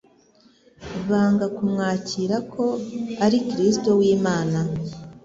banga kumwakira ko ari Kristo w'Imana.